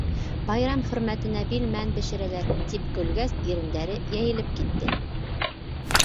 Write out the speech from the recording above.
Байрам хөрмәтенә билмән бешерәләр. — тип көлгәс, ирендәре йәйелеп китте.